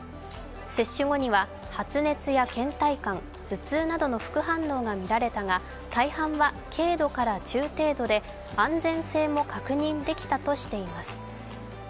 接種後には発熱やけん怠感、頭痛などの副反応が見られたが大半は軽度から中程度で安全性も確認できたとしています。